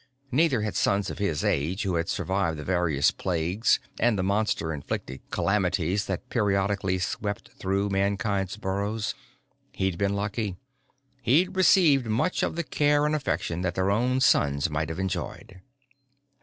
Neither had sons of his age who had survived the various plagues and the Monster inflicted calamities that periodically swept through Mankind's burrows. He'd been lucky. He'd received much of the care and affection that their own sons might have enjoyed.